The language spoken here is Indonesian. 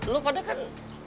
lo pada kan